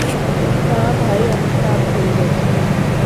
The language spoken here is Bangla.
না ভাই, অনেক রাত হয়ে গেছে।